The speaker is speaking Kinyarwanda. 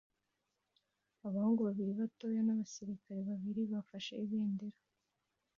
Abahungu babiri bato n'abasirikare babiri bafashe ibendera